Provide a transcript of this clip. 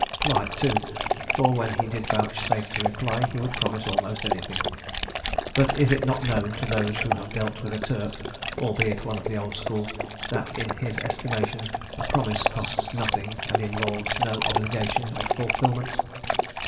Polite, too, for when he did vouchsafe to reply he would promise almost anything; but is it not known to those who have dealt with a Turk, albeit one of the old school, that in his estimation a promise costs nothing and involves no obligation of fulfilment?